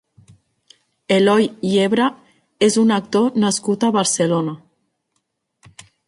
Eloi Yebra és un actor nascut a Barcelona.